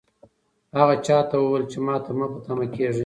هغه چا ته وویل چې ماته مه په تمه کېږئ.